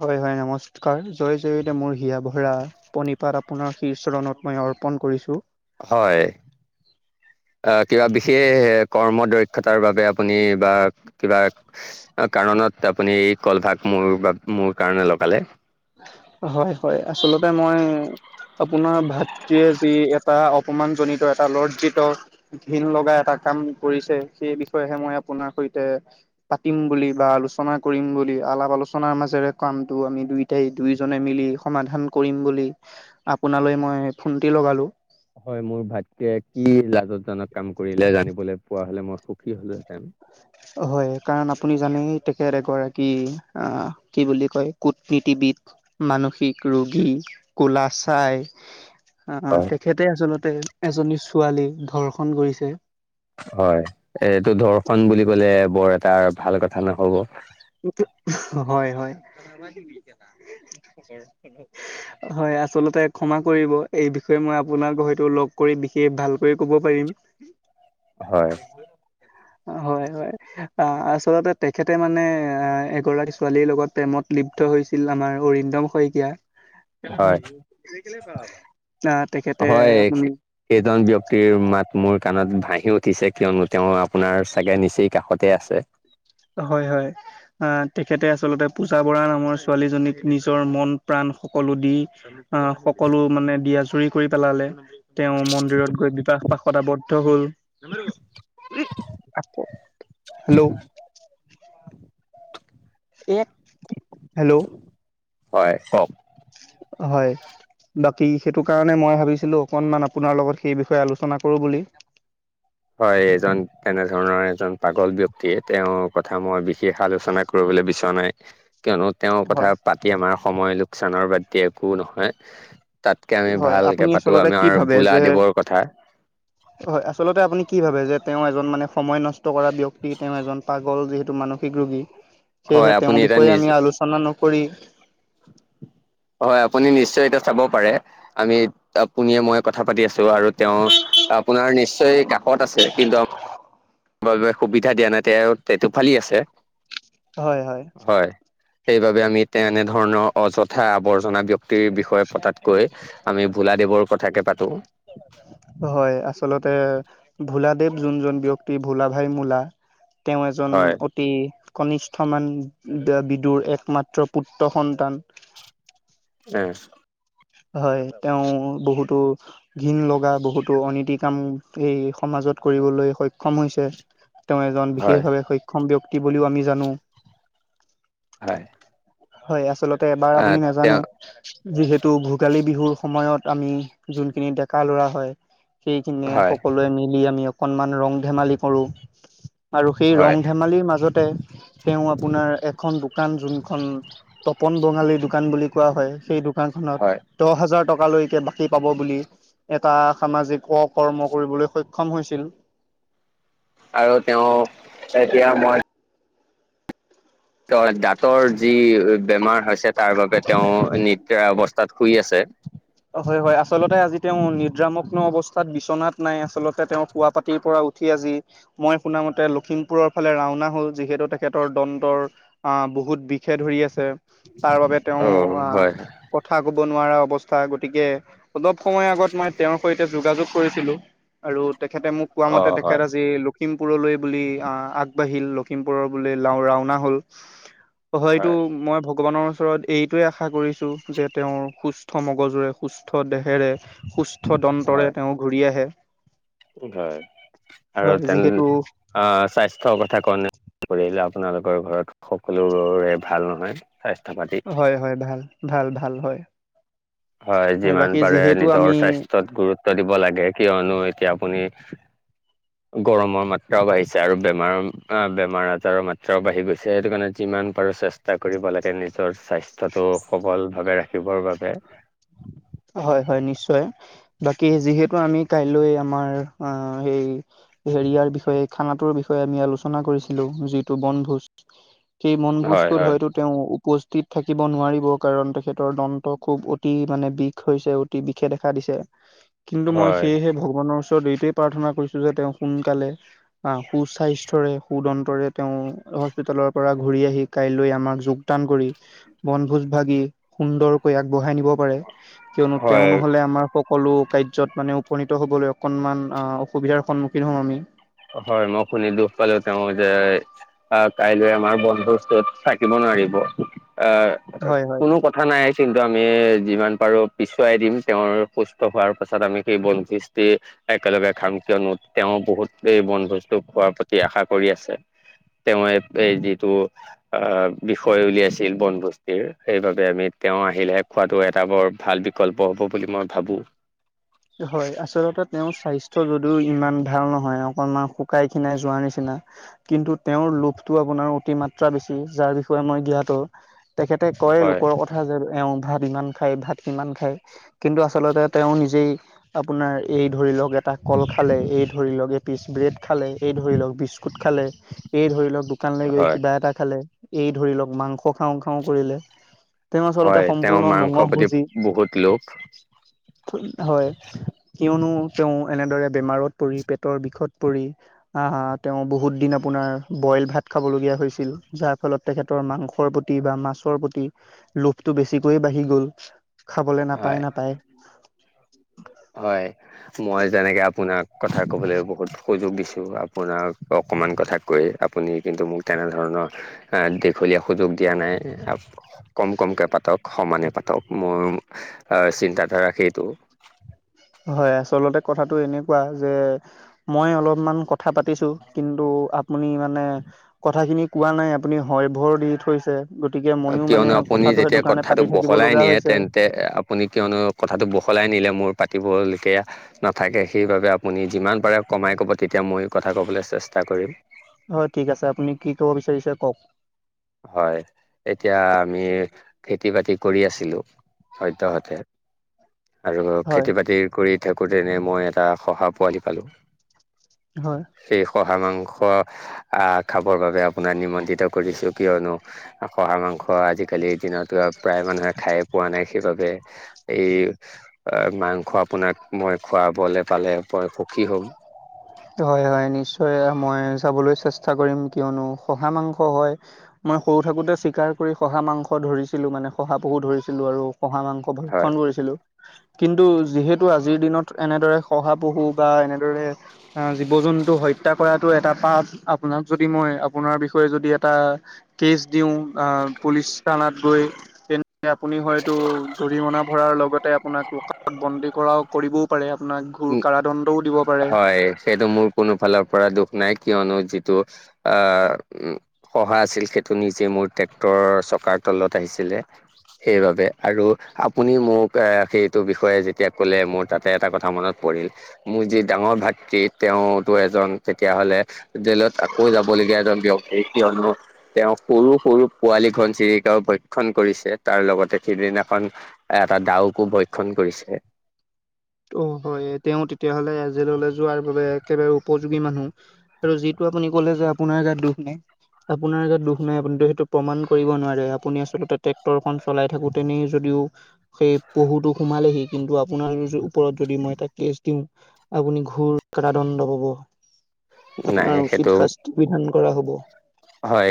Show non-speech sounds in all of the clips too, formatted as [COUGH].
হয় হয় নমস্কাৰ। জয় জয়তে মোৰ হিয়া ভৰা পণিপাত আপোনাৰ শীৰচৰণত মই অৰ্পণ কৰিছোঁ। হয়, আহ কিবা বিশেষ কৰ্মত দক্ষতাৰ বাবে আপুনি বা কিবা কাৰণত আপুনি কলভাগ মোৰ বা মোৰ কাৰণে লগালে। হয় হয় আচলতে মই আপোনাৰ ভাতৃয়ে যি এটা অপমান জনিত এটা লজ্জিত ঘিন লগা এটা কাম কৰিছে, সেই বিষয়েহে মই আপোনাৰ সৈতে পাতিম বুলি বা আলোচনা কৰিম বুলি আলাপ আলোচনাৰ মাজেৰে কামটো আমি দুই তেই দুইজনে মিলি সমাধান কৰিম বুলি আপোনালৈ মই ফোনটি লগালো। হয় মোৰ ভাতৃয়ে কি লাজতজনক কাম কৰিলে জানিবলৈ পোৱা হলে মোৰ সুখী হলোঁহেঁতেন। হয় কাৰণ আপুনি জানেই তেখেত এগৰাকী অহ কি বুলি কয় কুটনীতি বিধ মানসিক ৰোগী কোলা চাই আহ, হয় তেখেতে আচলতে এজনী ছোৱালী ধৰ্ষন কৰিছে। হয়, এইটো ধৰ্ষন বুলি কলে বৰ এটা ভাল কথা ন'হব হয় হয়। হয় আচলতে ক্ষমা কৰিব, এই বিষয়ে মই আপোনাক হয়তো লগ কৰি বিশেষ ভালকৈ কব পাৰিম। হয়। হয় হয়, অ আচলতে তেখেতে মানে এ এগৰাকী ছোৱালীৰ লগত প্ৰেমত লিপ্ত হৈছিল আমাৰ অৰিন্দম শইকীয়া। হয়। আহ তেখেতে হয় আপুনি সেইজন ব্যক্তিৰ মাত মোৰ কানত ভাহি উঠিছে কিয়নো তেওঁ আপোনাৰ চাগে নিচেই কাষতে আছে। হয় হয়, আ তেখেতে আচলতে পূজা বৰা নামৰ ছোৱালীজনীক নিজৰ মন প্ৰাণ সকলো দি, আহ সকলো মানে দি আ চুৰি কৰি পেলালে তেওঁ মন্দিৰত গৈ বি বিবাহপাশত আৱদ্ধ হল। হেল্ল'! হেল্ল' হয় কক? হয়। বাকী সেইটো কাৰণে মই ভাবিছিলো অকনমান আপোনাৰ লগত সেই বিষয়ে আলোচনা কৰো বুলি। হয় এজন তেনেধৰণৰ এজন পাগল ব্যক্তিয়ে তেওঁৰ কথা মই বি শেষ আলোচনা কৰিবলৈ বিচৰা নাই, কিয়নো তেওঁৰ হয় কথা পাতি আমাৰ সময় লোকচানৰ বাদ দি একো নহয়। তাতকে আমি হয় আপুনি ভালকে পাতো আচলতে কি আমাৰ ভাবে যে ভোলাদেৱৰ কথা। হয় আচলতে আপুনি কি ভাবে যে তেওঁ এজন মানে সময় নষ্ট কৰা ব্যক্তি, তেওঁ এজন পাগল যিহেতু মানসিক ৰোগী হয় সেয়েহে তেওঁৰ আপুনি এতিয়া বিষয়ে নিজ আমি আলোচনা নকৰি হয় আপুনি নিশ্চয় এতিয়া চাব পাৰে, আমি আপুনিয়ে মই কথা পাতি আছো আৰু তেওঁ আপোনাৰ নিশ্চয় কাষত আছে কিন্তু বাবে সুবিধা দিয়া নাই তেওঁ তেটো ফালি আছে। হয় হয়। সেইবাবে আমি তেনেধৰণৰ অযথা আৱৰ্জনা ব্যক তিৰ বিষয়ে পতাতকৈ আমি ভোলাদেৱৰ কথাকে পাতো। হয় আচলতে ভোলাদেৱ যোনজন ব্যক্তি ভোলা ভাই মোলা তেওঁ এজন হয় অতি কনিষ্ঠ মান বিদুৰ একমাত্ৰ পুত্ৰ সন্তান। উম। হয় তেওঁ বহুতো ঘিন লগা বহুতো অনীতি কাম এই সমাজত কত কৰিবলৈ সক্ষম হৈছে। তেওঁ এজন হয় বিশেষভাৱে সক্ষম ব্যক্তি বুলিও আমি জানো। হয় হয় আচলতে এবাৰ আহ আপুনি নাজানে তেওঁ যিহেতু ভোগালী বিহুৰ সময়ত আমি যোনখিনি ডেকা লৰা হয় সেইখিনিয়ে হয় সকলোৱে মিলি আমি অকনমান ৰং ধেমালি কৰো আৰু সেই হয় ৰং ধেমালিৰ মাজতে তেওঁ আপোনাৰ এখন দোকান যোনখন তপন বঙালী দোকান বুলি কোৱা হয় সেই দোকান খনত হয় দহ হাজাৰ টকালৈ বাকী পাব বুলি এটা সামাজিক অকৰ্ম কৰিবলৈ সক্ষম হৈছিল আৰু তেওঁ এতিয়া মই ত দাঁতৰ যি বেমাৰ হৈছে তাৰ বাবে তেওঁ নিদ্ৰা অৱস্থাত শুই আছে হয় হয় আচলতে আজি তেওঁ নিদ্ৰামগ্ন অৱস্থাত বিচনাত নাই আচলতে তেওঁ হোৱা পাতিৰ পৰা উঠি আজি তি মই শুনামতে লখিমপুৰৰ ফালে ৰাওনা হ'ল যিহেতু তে তেখেতৰ দন্তৰ আ বহুত বিষে ধৰি আছে। তাৰ বাবে তেওঁ অ আহ হয় কথা কব নোৱাৰা অৱস্থা গতিকে অলপ সময় আগত মই তেওঁৰ সৈতে যোগাযোগ কৰিছিলো আৰু তেখেতে মোক কোৱা অ মতে তেখেত হয় আজি লোক লখিমপুৰলৈ বুলি আহ আগবাঢ়িল লখিমপুৰৰ বুলি লাও ৰাওনা হল হয়তো হয় মই ভগৱানৰ ওচৰত এইটোৱে আশা কৰিছো যে তেওঁৰ সুস্থ সুস্থ মগজুৰে সুস্থ দেহেৰে সুস্থ হয় দন্তৰে তেওঁ ঘূৰি আহে। হয় আৰু হয় যিহেতু তেনে স্বাস্থ্যৰ কথা কনে কৰিলে আপোনালোকৰ ঘৰত সকলোৰুৰে ভাল নহয় স্বাস্থ্য পাতি হয় হয় ভাল ভাল ভাল হয় হয় এ যিমান বাকী পাৰে যিহেতু আমি নিজৰ স্বাস্থ্যত গুৰুত্ব দিব লাগে কিয়নো এতিয়া আপুনি [UNINTELLIGIBLE] [INAUDIBLE] গৰমৰ মাত্ৰাও বাঢ়িছে আৰু বেমাৰ বেমাৰ আজাৰৰ মাত্ৰাও বাঢ়ি গৈছে সেইটো কাৰণে যিমান মান পাৰো চেষ্টা কৰিব লাগে নিজৰ স্বাস্থ্যতটো সবল ভাৱে ৰাখিবৰ বাবে [INAUDIBLE] হয় হয় নিশ্চয় বাকী যিহেতু আমি কাইলৈ আমাৰ সেই হেৰিয়াৰ বিষয়ে খানাটোৰ বিষয়ে আমি আলোচনা কৰিছিলো যিটো বনভোজ সেই হয় মনভোজটোত হয় হয়তো তেওঁ উপস্থিত থাকিব নোৱাৰিব কাৰণ তেখেতৰ দন্ত খুব অতি মানে বিষ হৈছে অতি বিষে দেখা দিছে কিন্তু মই হয় সেয়েহে ভগৱানৰ ওচ দেটোৱে প্ৰাৰ্থনা কৰিছো যে তেওঁ সোনকালে আহ সু স্বাস্থ্যৰে সুদন্তৰে তেওঁ হস্পিতালৰ পৰা ঘুৰি আহি কাইলৈ আমাক যোগদান কৰি বনভোজ ভাগি সুন্দৰকৈ আগবঢ়াই নিব পাৰে কিয়নো তেওঁ হয় নহলে আমাৰ সকলো কাৰ্য ত মানে উপনীত হ'বলৈ অকনমান অ অসুবিধাৰ সন্মুখীন হম আমি হয় মই শুনি দুখ পালো তেওঁ যে কাইলৈ আমাৰ বন্ধুত থাকিব ন হয় হয় কোনো কথা নাই কিন্তু আমি যিমান পাৰো পিছুৱাই দিম তেওঁৰ সুস্থ হোৱাৰ পাছত আমি সেই বনশৃষ্টি একেলগে খাম কিয়নো তেওঁ বহুত এই বনভুজ খোৱাৰ প্ৰতি আশা কৰি আছে তেওঁ এই যিটো আহ বিষয় উলিয়াইছিল বনভস্তিৰ সেইবাবে আমি তেওঁ আহিলেহে খোৱাটো এটা বৰ ভাল বিকল্প হ'ব বুলি মই ভাবোঁ [UNINTELLIGIBLE] [INAUDIBLE] হয় আচলতে তেওঁৰ স্বাস্থ্য যদিও ইমান ভাল নহয় অকনমান শুকাই খিনাই যোৱা নিচিনা কিন্তু তেওঁৰ লোভটো আপোনাৰ অতিমাত্ৰা বেছি যাৰ বিষয়ে মই জ্ঞাতো তেখেতে কয় হয় লোকৰ কথা যে এওঁ ভাত যিমান খায় ভাত কিমান খায় কিন্তু আচলতে তেওঁ নিজেই আপোনাৰ এই ধৰি লওক এটা কল খালে এই ধৰি লওক এ পিচ ব্ৰেড খালে এই ধৰি লওক বিস্কুট খালে এই ধৰি লওক দোকানলৈ গৈ হয় কিবা এটা খালে এই ধৰি লওক মাংস খাওঁ খাওঁ কৰিলে তেওঁ আচলতে হয় তেওঁ সম্পূৰ্ণ মাংসৰ মঙহ প্ৰতি ভুজি বহুত লোভ হয়। কিয়নো তেওঁ এনেদৰে বেমাৰত পৰি পেটৰ বিষত পৰি আহ তেওঁ বহুত দিন আপু। আপোনাৰ বইল ভাত খাবলগীয়া হৈছিল যাৰ ফলত তেখেতৰ মাংসৰ প্ৰতি বা মাছৰ প্ৰতি। লোভটো বেছিকৈয়ে বাঢ়ি গ'ল খাবলৈ নাপায় হয় নাপায়। হয় মই যেনেকে আপোনাক। কথা কবলৈ বহুত সুযোগ দিছো আপোনাক অকমান কথা কৈ আপুনি কিন্তু মোক তেনেধৰণৰ। দীঘলীয়া সুযোগ দিয়া নাই কম কমকৈ পাতক সমানে পাতক মই। হয় চিন্তাধাৰা সেইটো হয় আচলতে কথাটো এনেকুৱা যে মই অলপমান কথা পাতিছো কিন্তু আপুনি মানে কথাখিনি কোৱা নাই আপুনি হয় ভৰ দি থৈছে। গতিকে ময়ো মানে কিয়নো আপুনি কথাটো সেইটো যেতিয়া কাৰণে কথাটো পাতি থাকিব বহলাই লগা নিয়ে হৈছে তেন্তে আপুনি কিয়নো কথাটো বহলাই নিয়ে। মোৰ পাতিব সেয়া নাথাকে সেইবাবে আপুনি যিমান পাৰে কমাই ক'ব, তেতিয়া মই কথা কবলৈ চেষ্টা কৰিম। অ ঠিক আছে আপুনি কি কব বিচাৰিছে কওক। হয় এতিয়া আমি খেতি বাতি কৰি আছিলোঁ সদ্যহতে। আৰু হয় খেতি বাতি কৰি থাকোঁতেনে মই এটা শহা পোৱালি পালোঁ। হয়। শহাৰ মাংস খাবৰ বাবে আপোনক নিমন্ত্ৰীতকৰিছো কিয়নো হহা মা খোৱা আজিকালিৰ দিনতো প্ৰায় মানুহে খায় পোৱা নাই সেইবাবে এই। মাংস আপোনাক মই খুৱাবলৈ পালে। সুখী হ'ম হয় হয় নিশ্চয় যাম। মই যাবলৈ চেষ্টা কৰিম কিয়নো শহা মাংস হয় মই সৰু থাকোতে চিকাৰ কৰি। শহা মাংস ধৰিছিলোঁ মানে শহাপহু ধৰিছিলোঁ আৰু। শহা মাংস হয় ভক্ষণ কৰিছিলো কিন্তু যিহেতু আজিৰ দিনত এনেদৰে শহা পহু বা এনেদৰে জীৱ জন্তু হত্যা কৰাটো এটা পাঠ আপোনাক যদি মই আপোনাৰ বিষয়ে যদি এটা কেছ। দিওঁ পুলিচ থানাত গৈ। তেন্তে আপুনি হয়তো জৰিমনা ভৰাৰ লগতে আপোনাক লকাপত বন্দী কৰাও কৰিবও পাৰে। আপোনাক ঘুৰ উম, কাৰত হয় সেইটো মোৰ কোনো ফালৰ পৰা দুখ নাই। কিয়নো যিটো উ সহ আছিল সেইটো নিজে মোৰ ট্ৰেক্টৰ। তলত আহিছিলে। সেইবাবে আৰু আপুনি মোক এ সেইটো বিষয়ে যেতিয়া কলে মোৰ তাতে এটা কথা মনত। পৰিল মোৰ যি ডাঙৰ ভাতৃ তেওঁতো এজন তেতিয়াহলে জেলত আকৌ যাব। এ ব্যক্তি কিয়নো তেওঁ সৰু সৰু পোৱালী ঘনচিৰিকাও ভক্ষণ কৰিছে। তাৰ লগতে সিদিনাখন এটা ডাউকো ভক্ষণ কৰিছে। [INAUDIBLE] অ হয় তেওঁ তেতিয়াহলে এ জেললৈ যোৱাৰ বাবে একেবাৰে উপযোগী মানুহ আৰু যিটো। আপুনি ক'লে যে আপোনাৰ গাত দুখ নাই। আপোনাৰ গাত দুখ নাই আপুনি সেইটো প্ৰমাণ কৰিব নোৱাৰে আপুনি আচলতে ট্ৰেক্টৰ। চলাই থাকোতেনেই যদিও সেই পহুতটো সোমালেহি কিন্তু আপোনাৰ ওপৰত যদি মই এটা কেছ দিওঁ আপুনি ঘুৰ কাৰাদণ্ড পাব নাই আপোনাৰ সেইটো উচিত শাস্তি বিধান। কৰা হ'ব। হয়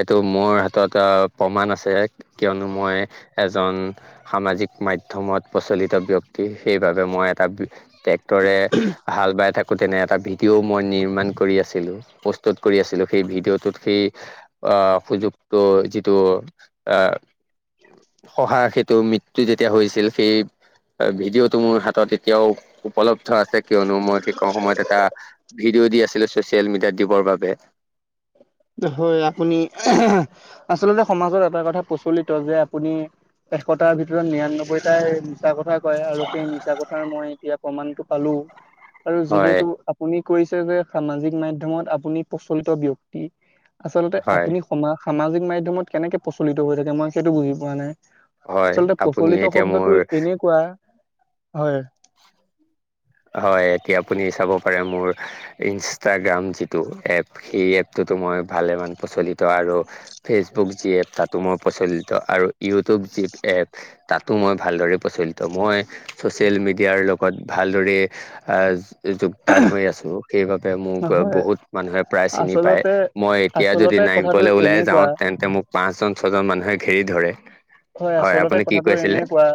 এইটো মোৰ হাতত প্ৰমাণ আছে কিয়নো মই এ। এজন সামাজিক মাধ্যমত প্ৰচলিত ব্যক্তি সেইবাবে মই এটা। ট্ৰেক্টৰে হাল বাই থাক তে তেনে এটা ভিডিঅ' মই নিৰ্মাণ কৰি আছিলোঁ প'ষ্টত কৰি আছিলোঁ সেই ভিডিঅ'টোত। সেই আহ সুযোগটো যিটো আহ। শহা সেইটো মৃত্য যেতিয়া হৈছিল সেই ভিডিঅ'টো মোৰ হাতত এতিয়াও উপলব্ধ আছে কিয়নো মই শেষত সময়ত এটা। ভিডিঅ' দি আছিলে ছ'চিয়েল মিডিয়াত দিবৰ বাবে হয় আপুনি আচলতে সমাজত এটা কথা প্ৰচলিত যে আপুনি এশতাৰ ভিতৰত নিৰান্নবৈটাই মিছা কথা কয় আৰু সেই মিছা কথাৰ মই এতিয়া প্ৰমাণটো পালো আৰু হয় যিহেতু আপুনি কৰিছে যে সামাজিক মাধ্যমত আপুনি প্ৰচলিত ব্যক্তি আচলতে হয় আপুনি সমা সামাজিক মাধ্যয়মত কেনেকে প্ৰচলিত হৈ থাকে মই সেইটো বুজি পোৱা নাই। হয় আচলতে আপুনি প্ৰচলিত এতিয়া মোৰ শব্দটো এনেকুৱা হয়। হয় এতিয়া আপুনি চাব পাৰে মোৰ ইনষ্টাগ্ৰাম যিটো এপ সেই এপটোতো মই ভালেমান প্ৰচলিত আৰু ফেচবুক যি এপ তাতো মই প্ৰচলিত আৰু ইউটিউব যি এপ তাতো মই ভালদৰে প্ৰচলিত মই ছ'চিয়েল মিড ও ভালদৰে যোগদান হৈ আছো সেইবাবে মোক হয় বহুত মানুহে প্ৰায় চিনি পায় আচলতে মই এতিয়া যদি আচলতে কথাটো নামিবলৈ ওলাই যাওঁ এনেকুৱা তেন্তে মোক পাঁচজন ছজন মানুহে ঘেৰি ধৰে হয় আচলতে আপুনি কি কথাটো এনে কৈছিলে কোৱা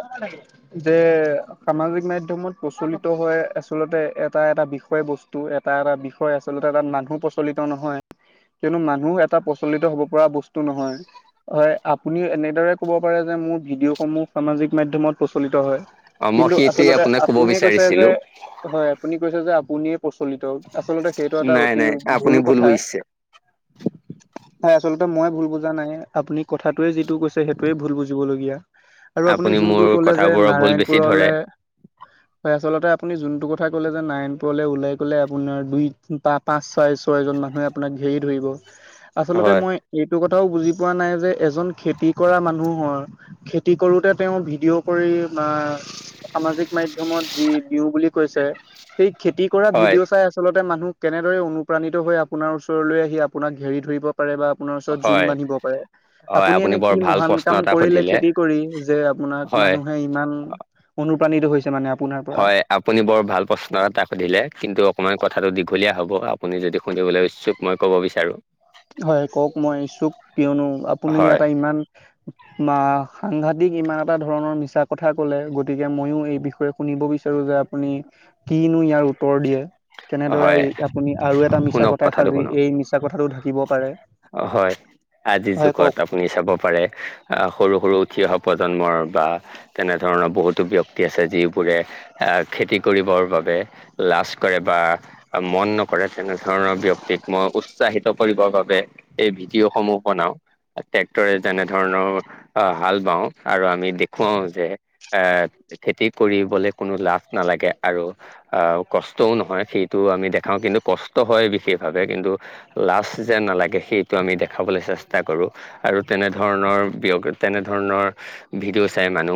যে সামাজিক মাধ্যমত। মত প্ৰচলিত হৈ আচলতে এটা এটা বিষয় বস্তু এটা এটা বিষয় আচলতে তাত মানুহ প্ৰচলিত নহয়। কিয়নো মানুহ এটা প্ৰচলিত হব পৰা বস্তু নহয় হয় আপুনিও এনেদৰে ক'ব পাৰে যে মোৰ ভিডিঅ'সমূহ সামাজিক মাধ্যমত প্ৰচলিত হয়। অ মই কিন্তু সেইটোৱে আচলতে আপোনাক ক'ব আপুনিয়ে কৈছে বিচাৰিছিলোঁ যে। হয় আপুনি কৈছে যে আপুনিয়ে প্ৰচলিত আচলতে সেইটো এটা নাই অতি নাই ভুল আপুনি কথা। বুজিছে। [INAUDIBLE] নাই আচলতে মই ভুল বুজা নাই আপুনি কথাটোৱে যিটো কৈছে সেইটোৱে ভুল বুজিবলগীয়া। আৰু আপুনি যোনটো মোৰ কলে যে কথাবোৰৰ ভুল বেছি ধৰে। নাৰায়ণপুৰলে আচলতে আপুনি যোনটো কথা কলে যে নাৰায়ণপুৰলৈ ওলাই গ'লে আপোনাৰ দুই পাঁচ ছয় ছয়জন মানুহে ক ঘেৰি ধৰিব আচলতে হয়, মই এইটো কথাও বুজি পোৱা নাই যে এজন খেতি কৰা মানুহৰ খেতি কৰোতে তেওঁ ভিডিঅ' কৰি বা সামাজিক মাধ্যমত যি যিওঁ বুলি কৈছে সেই খেতি কৰা হয়, ভিডিঅ' চাই আচলতে মানুহ কেনেদৰে অনুপ্ৰাণিত হৈ আপোনাৰ ওচৰলৈ আহি আপোনাক ঘেৰি ধৰিব। পাৰে বা জুম হয় বান্ধি ব পাৰে হয় আপুনি এনে কি বৰ ভাল মহান প্ৰশ্ন কাম এটা কৰিলে সুধিলে। খেতি কৰি যে আপোনাক হয়, মানুহে ইমান অনু প্ৰাণিত হৈছে মানে আপোনাৰ পৰা হয় আপুনি বৰ ভাল প্ৰশ্ন এটাাক সুধিলে কিন্তু অকমান ক কথাটো দীঘলীয়া হ'ব আপুনি যদি সুনিবলৈ ইছুক মই ক'ব বিচাৰোঁ। হয় কওক মই ইচুক কিয়নো আপুনি হয়, এটা ইমান বা সাংঘাটক ইমান এটা ধৰণৰ মিছা কথা ক'লে গতিকে ময়ো এই বিষয়ে শুনিব বিচাৰো যে আপুনি কিনো ইয়াৰ উত্তৰ দিয়ে। কেনেদৰে হয় আপুনি আৰু এটা মিছা শুনক কথা কথাটো সাজি শুনক। এই মিছা কথাটোক হয় আজিৰ হয় কওক যুগত আপুনি চাব পাৰে আহ সৰু সৰু উঠি অহা প্ৰজন্মৰ বা তেনেধৰণৰ বহুতো ব্যক্তি আছে যিবোৰে খেতি কৰিবৰ বাবে। লাজ কৰে বা মন নকৰে তেনে ধৰণৰ বিয়ক্ত মই উৎসাহিত কৰিবৰ বাবে এই ভিডিঅ'সমূহ বনাওঁ। ট্ৰেক্টৰে যেনে ধৰণৰ আহ হাল বাও আৰু আমি দেখুৱাও যে এ খেতি কৰিবলে কোনো লাজ নালাগে আৰু আহ কষ্টও নহয় সেইটোও আমি দেখাওঁ কিন্তু কষ্ট হয় বিশেষভাৱে কিন্তু লাজ যে নালাগে সেইটো আমি দেখাবলৈ চেষ্টা কৰোঁ আৰু তেনেধৰণৰ বিয়গাৰ তেনেধৰণৰ ভিডিঅ' চাই মানুহ